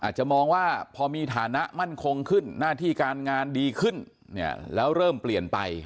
อาจจะมองว่าพอมีฐานะมั่นคงขึ้นหน้าที่การงานดีขึ้นแล้วเริ่มเปลี่ยนไป